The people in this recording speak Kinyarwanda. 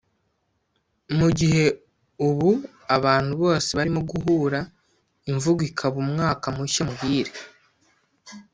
Mu gihe ubu abantu bose barimo guhura imvugo ikaba umwaka mushya muhire